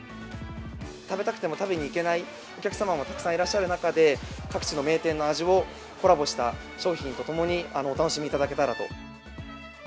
食べたくても食べに行けないお客様もたくさんいらっしゃる中で、各地の名店の味をコラボした商品とともにお楽しみいただけたらと。